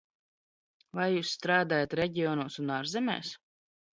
Vai jūs strādājat reģionos un ārzemēs?